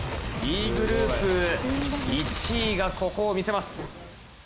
Ｂグループ１位がここを見せます。